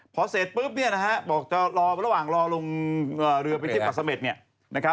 พอเสร็จปุ๊บประหว่างรอลงเรือไปที่ปาสะเมฆ